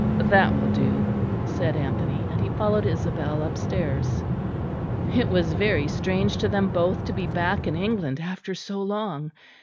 "That will do," said Anthony; and he followed Isabel upstairs. It was very strange to them both to be back in England after so long.